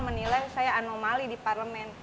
menilai saya anomali di parlemen